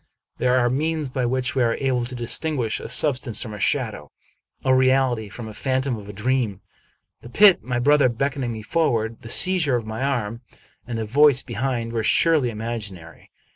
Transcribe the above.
There are means by which we are able to distinguish a sub stance from a shadow, a reality from the phantom of a dream. The pit, my brother beckoning me forward, the seizure of my arm, and tiie voice behind, were surely imag inary.